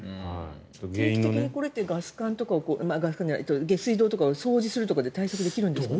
定期的に下水道とかを掃除するとかで対策できるんですかね。